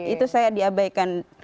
itu saya diabaikan